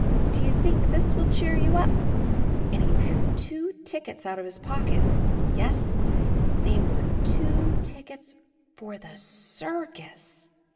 Do you think this will cheer you up ?" And he drew two tickets out of his pocket — ^yes, they were two tickets for the circus!